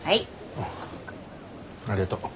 あありがとう。